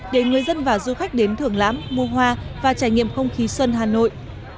để người dân và du khách đến thưởng lãm mua hoa và trải nghiệm không khí xuân hà nội